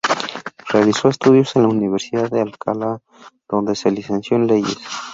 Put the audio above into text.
Realizó estudios en la Universidad de Alcalá, donde se licenció en Leyes.